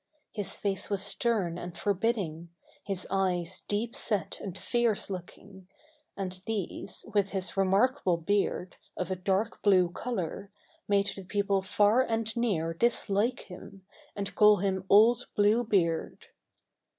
His face was stern and forbidding, his eyes deep set and fierce looking, and these, with his remarkable beard, of a dark blue color, made the people far and near dislike him, and call him old Blue Beard.